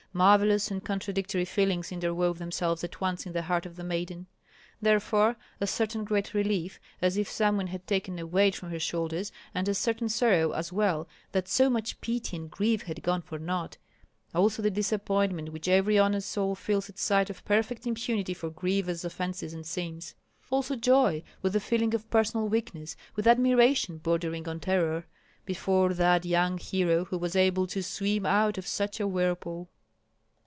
Marvellous and contradictory feelings interwove themselves at once in the heart of the maiden; therefore a certain great relief, as if some one had taken a weight from her shoulders, and a certain sorrow as well that so much pity and grief had gone for naught; also the disappointment which every honest soul feels at sight of perfect impunity for grievous offences and sins; also joy, with a feeling of personal weakness, with admiration bordering on terror, before that young hero who was able to swim out of such a whirlpool.